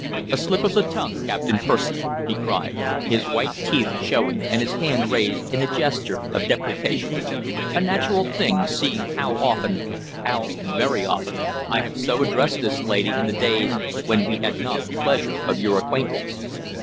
"A slip of the tongue, Captain Percy!" he cried, his white teeth showing and his hand raised in a gesture of deprecation. "A natural thing, seeing how often, how very often, I have so addressed this lady in the days when we had not the pleasure of your acquaintance."